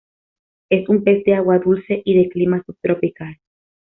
Es un pez de Agua dulce y de clima subtropical.